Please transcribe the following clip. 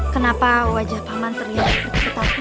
kenapa wajah paman terlihat seperti ketakutan